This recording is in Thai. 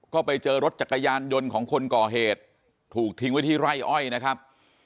ก็ไปเจอรถจักรยานยนต์ของคนก่อเหตุถูกทิ้งไว้ที่ไร่อ้อยนะครับ